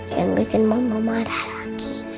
yang bikin mama marah lagi